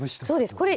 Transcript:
そうです。